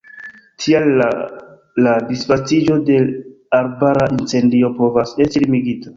Tial la la disvastiĝo de arbara incendio povas esti limigita.